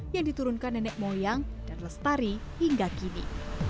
yang diturunkan nenek moyang dan lestari hingga kini